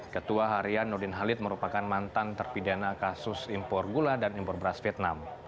ketua harian nurdin halid merupakan mantan terpidana kasus impor gula dan impor beras vietnam